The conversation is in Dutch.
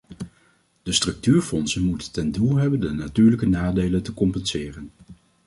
De structuurfondsen moeten ten doel hebben de natuurlijke nadelen te compenseren.